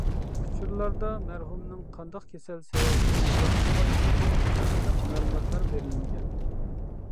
ئۇچۇرلاردا مەرھۇمنىڭ قانداق كېسەل سەۋەبىدىن ۋاپات بولغانلىقى توغرىسىدا ئېنىق مەلۇماتلار بېرىلمىگەن.